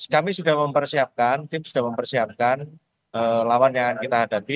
kami sudah mempersiapkan tim sudah mempersiapkan lawan yang akan kita hadapi